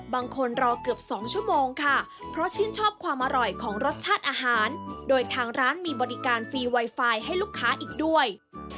รอเกือบ๒ชั่วโมงค่ะเพราะชื่นชอบความอร่อยของรสชาติอาหารโดยทางร้านมีบริการฟรีไวไฟให้ลูกค้าอีกด้วย